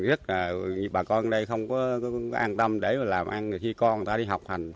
rất là bà con ở đây không có an tâm để mà làm ăn khi con người ta đi học hành